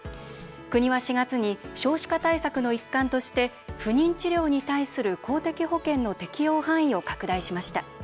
国は４月に少子化対策の一環として不妊治療に対する公的保険の適用範囲を拡大しました。